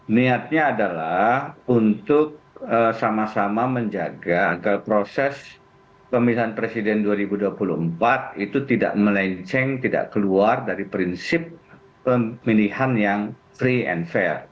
niatnya adalah untuk sama sama menjaga agar proses pemilihan presiden dua ribu dua puluh empat itu tidak melenceng tidak keluar dari prinsip pemilihan yang free and fair